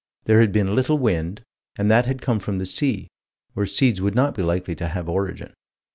There had been little wind, and that had come from the sea, where seeds would not be likely to have origin.